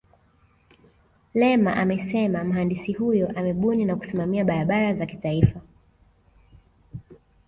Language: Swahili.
lema amesema mhandisi huyo amebuni na kusimamia barabara za kitaifa